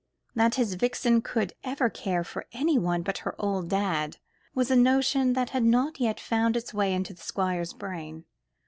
That his Vixen could ever care for anyone but her "old dad," was a notion that had not yet found its way into the Squire's brain.